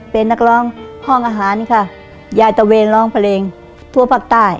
เป็นนักร้องห้องอาหารค่ะยายตะเวนร้องเพลงทั่วภาคใต้